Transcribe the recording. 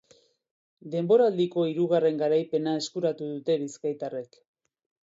Denboraldiko hirugarren garaipena eskuratu dute bizkaitarrek.